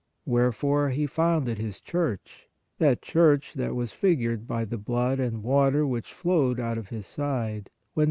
Where fore, He founded His Church, that Church that was figured by the blood and water which flowed out of His side, when